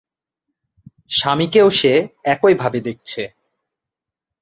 স্বামীকেও সে একই ভাবে দেখছে।